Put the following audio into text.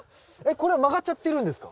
これ曲がっちゃってるんですか？